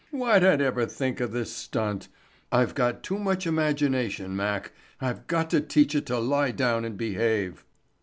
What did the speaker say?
Why'd I ever think of this stunt? I've got too much imagination, Mac, I've got to teach it to lie down and behave."